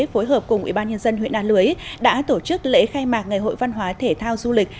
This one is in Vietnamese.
phối hợp cùng ủy ban nhân dân huyện a lưới đã tổ chức lễ khai mạc ngày hội văn hóa thể thao du lịch